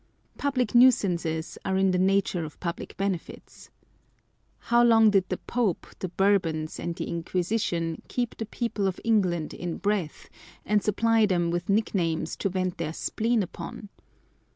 Public nuisances are in the nature of public benefits. How long did the Pope, N ITS On the Pleasure of Hating. the Bourbons, and the Inquisition keep the people of England in breath, and supply them with nicknames to vent their spleen upon